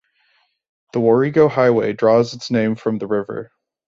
The Warrego Highway draws its name from the river.